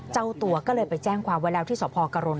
เจ้าตัวก็เลยไปแจ้งความไว้แล้วที่สพกรณ